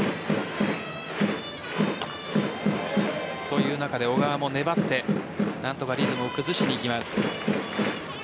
という中で小川も粘って何とかリズムを崩しにいきます。